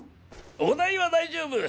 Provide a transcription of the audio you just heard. お代は大丈夫！